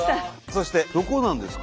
そしてどこなんですか？